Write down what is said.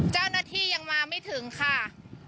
เจ้าหน้าที่ยังมาไม่ถึงค่ะ